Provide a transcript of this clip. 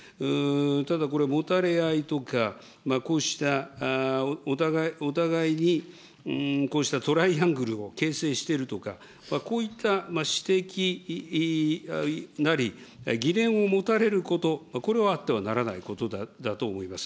ただ、これ、もたれ合いとか、こうしたお互いにこうしたトライアングルを形成してるとか、こういった指摘なり、疑念を持たれること、これはあってはならないことだと思います。